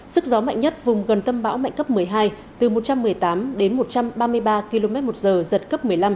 sức gió mạnh nhất vùng gần tâm bão mạnh cấp một mươi hai từ một trăm một mươi tám đến một trăm ba mươi ba km một giờ giật cấp một mươi năm